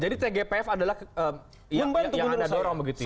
jadi tgpf adalah membantu